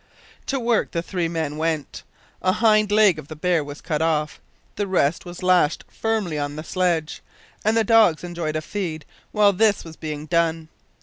To work the three men went. A hind leg of the bear was cut off, the rest was lashed firmly on the sledge, and the dogs enjoyed a feed while this was being done.